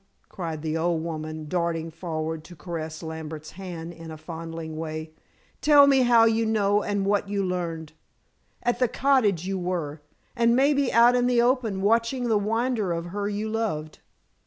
cried the old woman darting forward to caress Lambert's hand in a fondling way, "tell me how you know and what you learned. At the cottage you were, and maybe out in the open watching the winder of her you loved."